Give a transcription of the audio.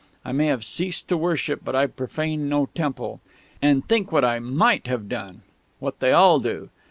I may have ceased to worship, but I've profaned no temple.... And think what I might have done what they all do!